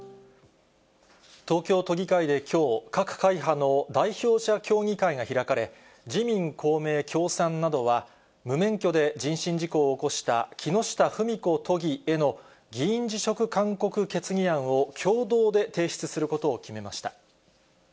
東京都議会できょう、各会派の代表者協議会が開かれ、自民、公明、共産などは無免許で人身事故を起こした木下富美子都議への議員辞職勧告決議案を共同で提出することを決めました。